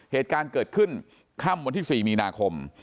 เหตุการณ์เกิดขึ้นค่ำวันที่๔มีนาคม